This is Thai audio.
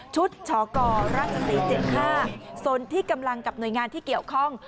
ชุดฉอกรราชสีเจ็ดห้าที่กำลังกับหน่วยงานที่เกี่ยวข้อง